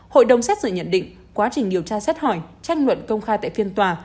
hội đồng xét xử nhận định quá trình điều tra xét hỏi tranh luận công khai tại phiên tòa